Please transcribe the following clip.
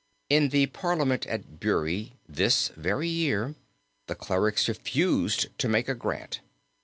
In the Parliament at Bury, this very year, the clerics refused to make a grant.